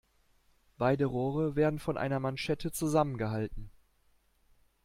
Beide Rohre werden von einer Manschette zusammengehalten.